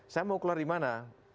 saya mau keluar di mana